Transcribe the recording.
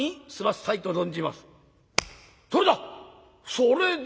「それだ！